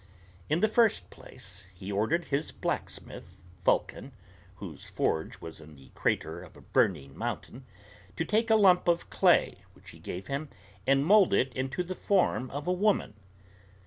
In the first place, he ordered his blacksmith Vulcan, whose forge was in the crater of a burning mountain, to take a lump of clay which he gave him, and mold it into the form of a woman.